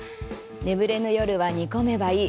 「眠れぬ夜は、煮込めばいい」。